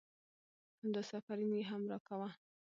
همداسې افرينى يې هم را کوه .